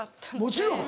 もちろん！